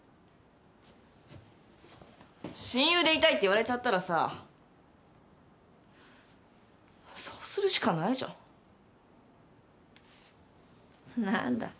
親友でいたいって言われちゃったらさそうするしかないじゃん。